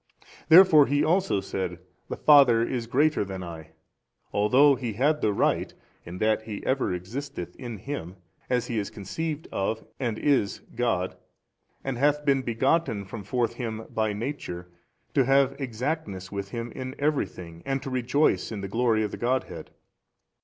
Therefore He also said, The Father is greater than I, although He had the right, in that He ever existeth in Him (as He is conceived of and is God) and hath been begotten from forth Him by Nature, to have exactness with Him in every thing and to rejoice in the glory of the Godhead.